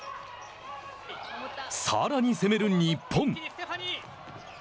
さらに攻める日本。